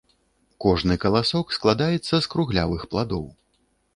Кожны каласок складаецца з круглявых пладоў.